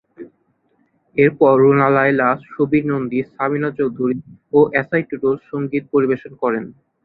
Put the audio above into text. এরপর রুনা লায়লা, সুবীর নন্দী, সামিনা চৌধুরী ও এসআই টুটুল সঙ্গীত পরিবেশন করেন।